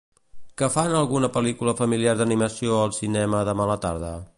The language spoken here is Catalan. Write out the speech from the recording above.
Que fan alguna pel·lícula familiar d'animació al cinema demà a la tarda?